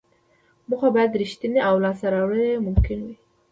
موخه باید ریښتینې او لاسته راوړل یې ممکن وي.